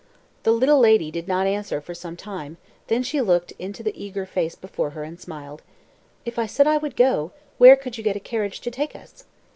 The little lady did not answer for some time, then she looked into the eager face before her and smiled. "If I said I would go, where could you get a carriage to take us?"